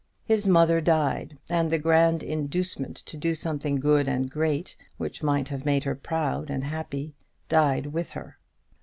His mother died; and the grand inducement to do something good and great, which might have made her proud and happy, died with her.